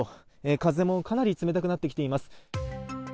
風もかなり冷たくなってきています。